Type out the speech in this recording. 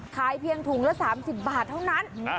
ขายเพียงถุงละ๓๐บาทเท่านั้น